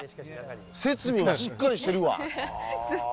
設備がしっかりしてるわ。